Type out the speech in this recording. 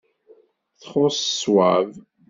Txuṣṣ ṣṣwab.